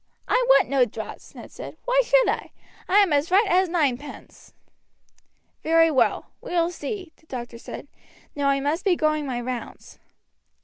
"I want no draughts," Ned said. "Why should I? I am as right as ninepence." "Very well. We will see," the doctor said. "Now I must be going my rounds."